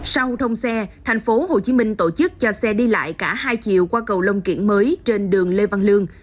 sau thông xe tp hcm tổ chức cho xe đi lại cả hai chiều qua cầu long kiển mới trên đường lê văn lương